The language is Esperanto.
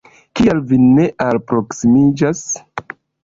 Kial vi ne alproksimiĝas?